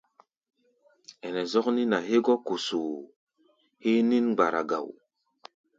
Ɛnɛ zɔ́k nín-a hégɔ́ kosoo héé nín-mgbara ga wo.